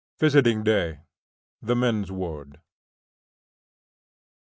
VISITING DAY THE MEN'S WARD.